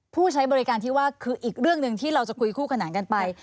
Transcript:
ผู้ใช้บริการที่ว่าคืออีกเรื่องหนึ่งที่เราจะคุยคู่ขนานกันไป